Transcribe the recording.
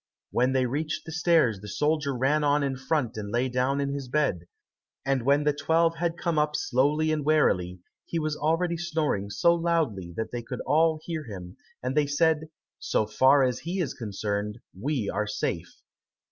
When they reached the stairs the soldier ran on in front and lay down in his bed, and when the twelve had come up slowly and wearily, he was already snoring so loudly that they could all hear him, and they said, "So far as he is concerned, we are safe."